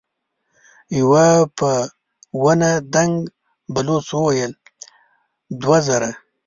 يوه په ونه دنګ بلوڅ وويل: دوه زره.